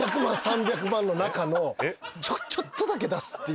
３００万３００万の中のちょっとだけ出すっていう。